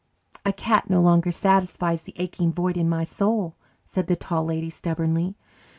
"A cat no longer satisfies the aching void in my soul," said the Tall Lady stubbornly.